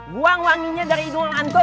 buang wanginya dari hidung antum